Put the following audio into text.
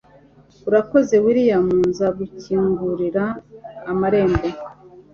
urakoze, william. nzagukingurira amarembo